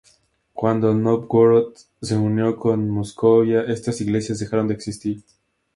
Cuando Novgorod se unió con Moscovia, estas iglesias dejaron de existir.